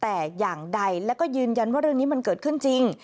แต่อย่างใดแล้วก็ยืนยันว่าเรื่องนี้มันเกิดขึ้นจริง